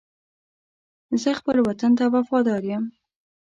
زه خپل وطن ته وفادار یم.